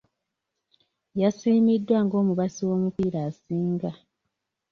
Yasiimiddwa ng'omubasi w'omupiira asinga .